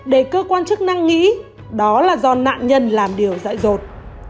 để cơ quan chức năng nghĩ đó là do nạn nhân làm điều dại dột